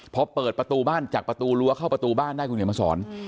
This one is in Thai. พอเปิดประตูบ้านจากประตูรั้วเข้าประตูบ้านได้คุณเห็นมาสอน